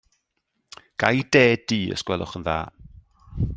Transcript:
Ga i de du os gwelwch yn dda.